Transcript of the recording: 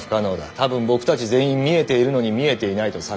多分僕たち全員見えているのに見えていないと錯覚させられてる。